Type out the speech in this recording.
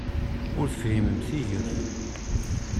Ur tefhimemt tigert!